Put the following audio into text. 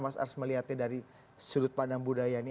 mas ars melihatnya dari sudut pandang budaya ini